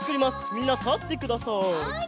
みんなたってください。